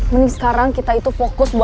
mending sekarang kita itu fokus